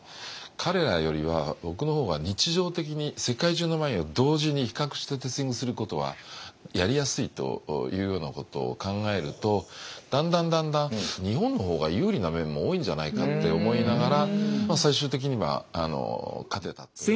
彼らよりは僕の方が日常的に世界中のワインを同時に比較してテイスティングすることはやりやすいというようなことを考えるとだんだんだんだん日本の方が有利な面も多いんじゃないかって思いながら最終的には勝てたという。